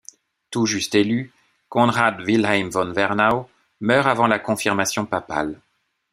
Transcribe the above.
Tout juste élu, Konrad Wilhelm von Wernau meurt avant la confirmation papale.